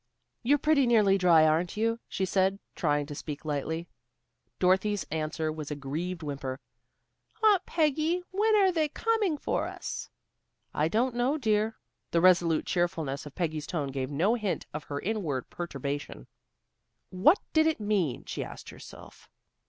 "You're pretty near dry, aren't you?" she said, trying to speak lightly. Dorothy's answer was a grieved whimper, "Aunt Peggy, when are they coming for us?" "I don't know, dear." The resolute cheerfulness of Peggy's tone gave no hint of her inward perturbation. What did it mean, she asked herself.